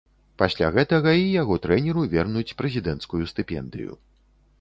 Пасля гэтага і яго трэнеру вернуць прэзідэнцкую стыпендыю.